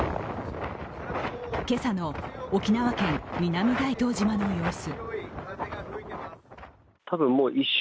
今朝の沖縄県、南大東島の様子。